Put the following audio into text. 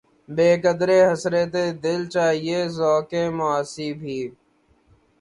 بقدرِ حسرتِ دل‘ چاہیے ذوقِ معاصی بھی